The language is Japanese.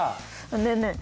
ねえねえ。